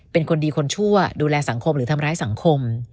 เป็นคนดีคนชั่วดูแลสังคมหรือทำร้ายสังคม